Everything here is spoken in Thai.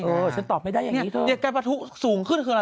ฉันตอบไม่ได้อย่างนี้เธอเนี่ยการประทุสูงขึ้นคืออะไร